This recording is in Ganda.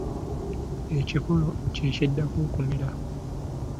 Ekikolo kye kiddako okumera.